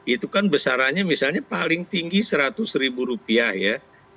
itu kan besarannya misalnya paling tinggi rp seratus ya